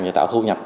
và tạo thu nhập